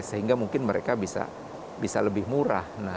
sehingga mungkin mereka bisa lebih murah